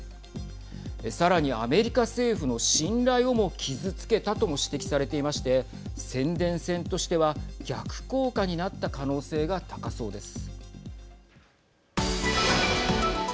さらに、アメリカ政府の信頼をも傷つけたとも指摘されていまして宣伝戦としては逆効果になった可能性が高そうです。